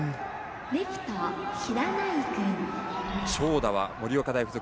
長打は盛岡大付属